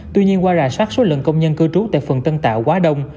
tuy nhiên qua rà soát số lượng công nhân cư trú tại phường tân tạo quá đông